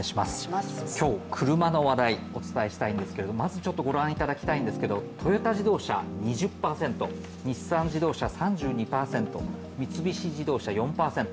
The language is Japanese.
今日、車の話題、お伝えしたいんですけどまずちょっとご覧いただきたいんですけれどもトヨタ自動車２０％日産自動車３２％、三菱自動車４％。